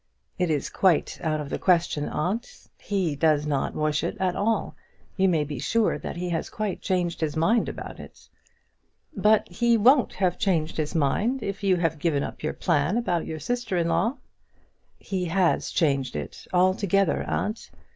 "It is quite out of the question, aunt. He does not wish it at all. You may be sure that he has quite changed his mind about it." "But he won't have changed his mind if you have given up your plan about your sister in law." "He has changed it altogether, aunt.